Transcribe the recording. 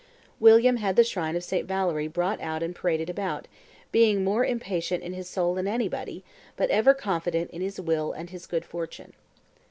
William had the shrine of St. Valery brought out and paraded about, being more impatient in his soul than anybody, but ever confident in his will and his good fortune.